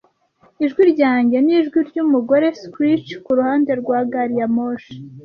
Ijwi ryanjye nijwi ryumugore, screech kuruhande rwa gari ya moshi,